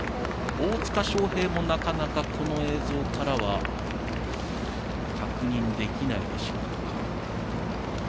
大塚祥平もなかなか、この映像からは確認できないでしょうか。